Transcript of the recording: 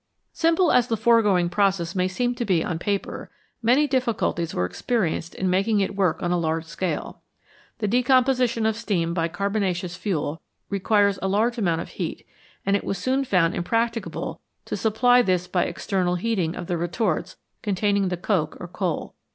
Simple as the foregoing process may seem to be on paper, many difficulties were experienced in making it work on a large scale. The decomposition of steam by carbonaceous fuel requires a large amount of heat, and it was soon found impracticable to supply this by external heating of the retorts containing the coke or coal.